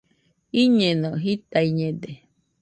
Iñeno.jitaiñede